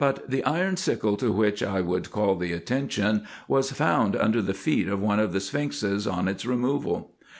163 the iron sickle to which I would call the attention, was found under the feet of one of the sphinxes on its removal.